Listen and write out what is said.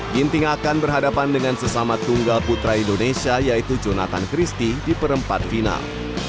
ginting akan berhadapan dengan sesama tunggal putra indonesia yaitu jonathan christie di perempat final